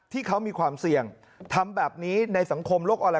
ที่เขามีความเสี่ยงทำแบบนี้ในสังคมโลกออนไล